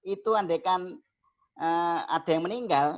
itu andai kan ada yang meninggal